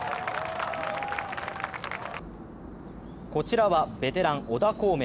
こちらはベテラン・小田孔明。